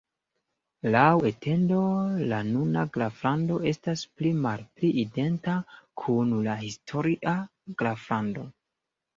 Laŭ etendo la nuna graflando estas pli malpli identa kun la historia graflando.